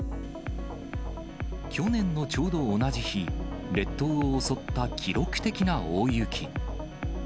去年のちょうど同じ日、列島を襲った記録的な大雪。